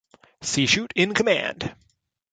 C. Shute in command.